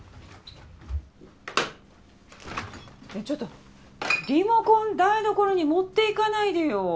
ちょっとリモコン台所に持っていかないでよ。